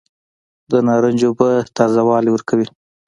د نارنج اوبه تازه والی ورکوي.